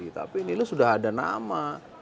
tapi ini sudah ada nama